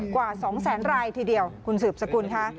กว่า๒แสนรายทีเดียวคุณสืบสกุลค่ะ